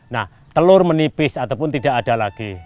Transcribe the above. nah telur menipis ataupun tidak ada lagi